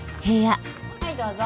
はいどうぞ。